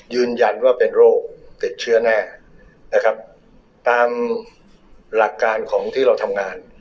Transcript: ยืนยันว่าเป็นโรคติดเชื้อแน่นะครับตามหลักการของที่เราทำงาน